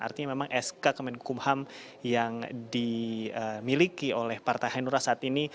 artinya memang sk kemenkumham yang dimiliki oleh partai hanura saat ini